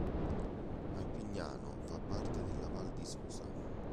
Alpignano fa parte della val di susa.